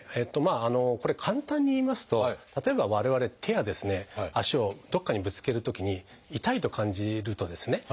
これ簡単に言いますと例えば我々手や足をどっかにぶつけるときに痛いと感じるとですね